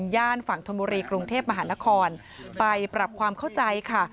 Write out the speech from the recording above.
ฝั่งธนบุรีกรุงเทพมหานครไปปรับความเข้าใจค่ะ